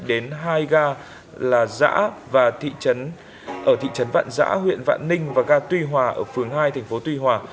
đến hai ga là xã và thị trấn vạn giã huyện vạn ninh và ga tuy hòa ở phường hai thành phố tuy hòa